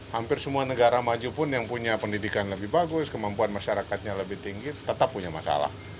hampir semua negara maju pun yang punya pendidikan lebih bagus kemampuan masyarakatnya lebih tinggi tetap punya masalah